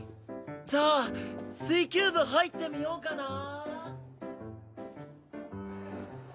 じゃあ水球部入ってみようかなあ。